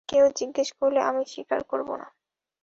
কেউ জিজ্ঞেস করলে আমি স্বীকার করব না।